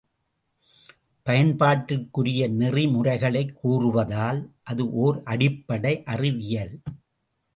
பயன்பாட்டிற்குரிய நெறிமுறைகளைக் கூறுவதால் அது ஒர் அடிப்படை அறிவியல்.